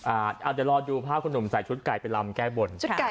อาเจอรอดูภาพหนุ่มใส่ชุดไก่ไปรำแก้บ่น